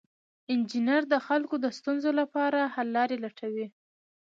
انجینر د خلکو د ستونزو لپاره حل لارې لټوي.